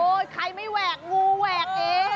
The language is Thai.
ใครไม่แหวกงูแหวกเอง